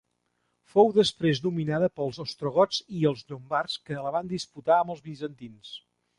Fou després dominada pels ostrogots i els llombards que la van disputar amb els bizantins.